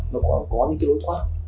nó còn có những cái lối thoát